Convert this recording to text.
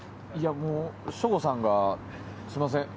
もう、省吾さんがすみません